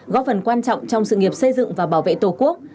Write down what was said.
góp phần quan trọng trong sự nghiệp xây dựng và bảo vệ tổ quốc